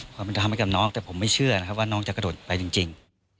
เพราะมันจะทำให้กับน้องแต่ผมไม่เชื่อนะครับว่าน้องจะกระโดดไปจริงจริง